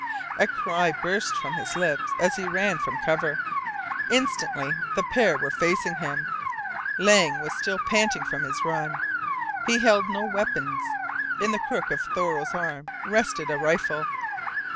A cry burst from his lips as he ran from cover. Instantly the pair were facing him. Lang was still panting from his run. He held no weapons. In the crook of Thoreau's arm rested a rifle.